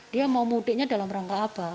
dia mau mudiknya dalam rangka apa